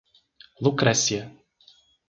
Lucrécia